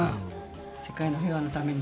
世界の平和のために？